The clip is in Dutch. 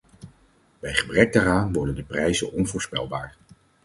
Bij gebrek daaraan worden de prijzen onvoorspelbaar.